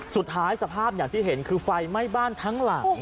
สภาพอย่างที่เห็นคือไฟไหม้บ้านทั้งหลัง